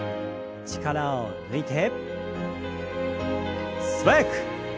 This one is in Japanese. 力を抜いて素早く。